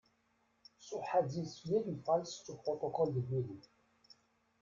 So hat sie es jedenfalls zu Protokoll gegeben.